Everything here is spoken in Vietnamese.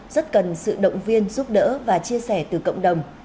rất cần sự động viên giúp đỡ và chia sẻ từ cộng đồng